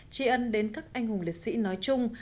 tri ân đến các anh hùng liệt sĩ nói chung